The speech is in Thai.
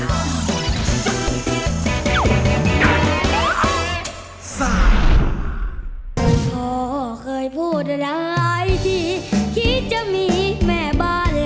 หนูไม่เคยฟังเพลงเทพดับ